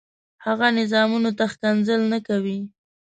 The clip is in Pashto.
هغه نظامونو ته ښکنځل نه کوي.